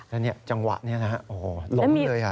แล้วนี่จังหวะนี้นะฮะโอ้โหล้มเลย